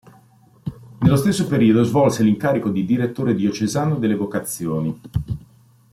Nello stesso periodo svolse l'incarico di direttore diocesano delle vocazioni.